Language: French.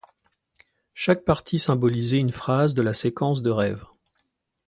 Chaque partie symbolisait une phase de la séquence de rêve.